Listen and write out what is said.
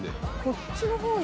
こっちの方に。